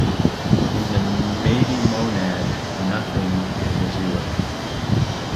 In the Maybe monad, "Nothing" is a zero.